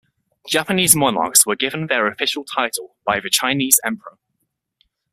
Japanese monarchs were given their official title by the Chinese emperor.